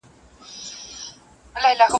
د لېوني څخه ئې مه غواړه، مې ورکوه.